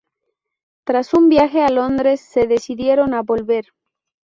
Tras un viaje a Londres, se decidieron a volver.